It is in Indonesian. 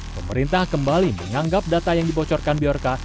pemerintah kembali menganggap data yang dibocorkan biorca